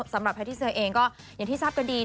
สำหรับพระธิเซียเองก็อย่างที่ทราบกันดี